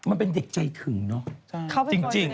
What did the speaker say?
มันเป็นเด็กใจถึงเนอะจริง